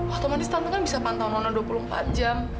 otomatis tante kan bisa pantau nona dua puluh empat jam